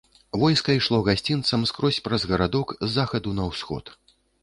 Войска ішло гасцінцам скрозь праз гарадок, з захаду на усход.